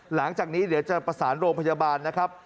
หลังจากนี้เดี๋ยวจะประสานโรงพยาบาลนะครับ